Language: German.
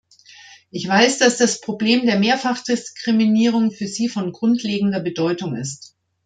Ich weiß, dass das Problem der Mehrfachdiskriminierung für Sie von grundlegender Bedeutung ist.